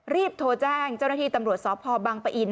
รีบโทรแจ้งเจ้าหน้าที่ตำรวจสพบังปะอิน